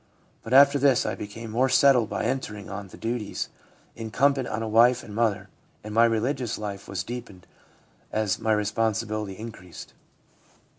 But after this I became more settled by entering on the duties incumbent on a wife and mother, and my religious life was deepened as my responsibility increased.'